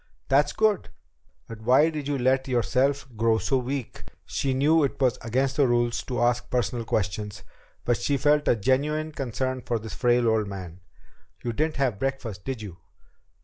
"That's good. But why did you let yourself grow so weak?" She knew it was against the rules to ask personal questions, but she felt a genuine concern for this frail old man. "You didn't have breakfast, did you?"